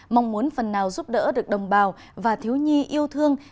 mong muốn phần nào giúp đỡ được đồng bào và thiếu nhi yêu thương